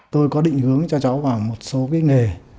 tôi có định hướng cho cháu vào một số cái nghề